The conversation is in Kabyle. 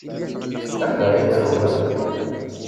Sanda ay trewlemt?